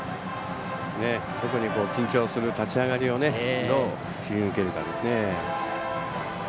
特に緊張する立ち上がりをどう切り抜けるかですね。